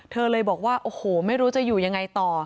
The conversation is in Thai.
เธอเลยบอกว่าโอ้โหไม่รู้จะอยู่ยังไงต่อ